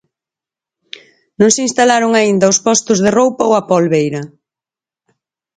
Non se instalaron aínda os postos de roupa ou a polbeira.